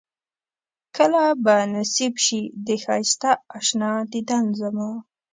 کله به نصيب شي د ښائسته اشنا ديدن زما